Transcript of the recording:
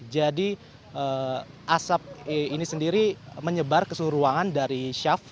jadi asap ini sendiri menyebar ke seluruh ruangan dari syaf